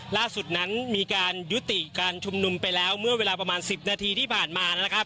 ล่าสุดนั้นมีการยุติการชุมนุมไปแล้วเมื่อเวลาประมาณ๑๐นาทีที่ผ่านมานะครับ